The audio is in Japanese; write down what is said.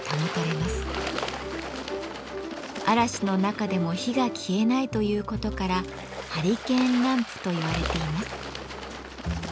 嵐の中でも火が消えないということから「ハリケーンランプ」といわれています。